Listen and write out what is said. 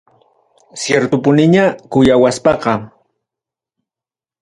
Ciertupuniña kuyawaspaqa.